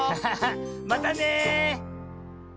またね！